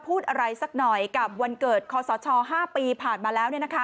พูดอะไรสักหน่อยกับวันเกิดคอสช๕ปีผ่านมาแล้ว